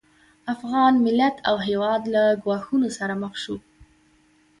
افغان ملت او هېواد له ګواښونو سره مخ شو